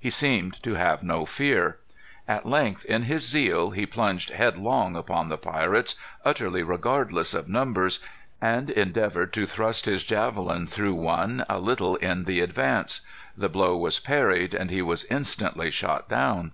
He seemed to have no fear. At length, in his zeal, he plunged headlong upon the pirates, utterly regardless of numbers, and endeavored to thrust his javelin through one a little in the advance. The blow was parried, and he was instantly shot down.